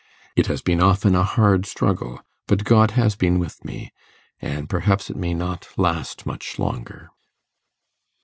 It has been often a hard struggle but God has been with me and perhaps it may not last much longer.